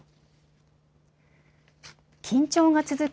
緊張が続く